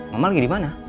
mama lagi dimana